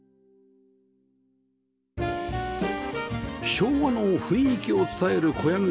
昭和の雰囲気を伝える小屋組